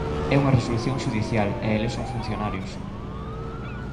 É unha resolución xudicial e eles son funcionarios.